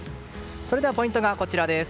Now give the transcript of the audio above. それではポイントがこちらです。